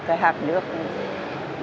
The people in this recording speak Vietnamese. mà chế thích mềm được mùi vậy